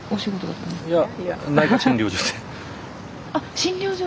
あっ診療所。